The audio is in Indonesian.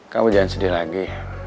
kamu jangan sedih lagi